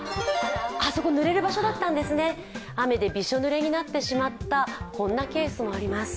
あそこ、ぬれる場所だったんですね、雨でびしょぬれになってしまったケースもあります。